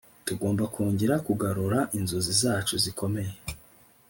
Tugomba kongera kugarura inzozi zacu zikomeye